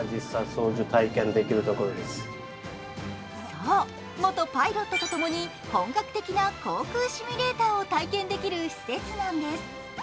そう、元パイロットと共に本格的な航空シミュレーターを体験できる施設なんです。